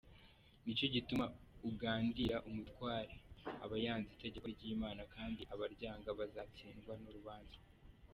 Nicyo gituma ugandira umutware aba yanze itegeko ry’Imana, kandi abaryanga bazatsindwa n’urubanza….